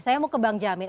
saya mau ke bang jamin